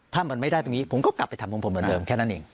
ถ้ามันไม่ได้ตรงนี้ผมก็กลับไปทำของผมเหมือนเดิมแค่นั้นเอง